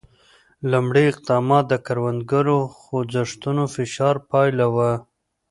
لومړي اقدامات د کروندګرو خوځښتونو فشار پایله وه.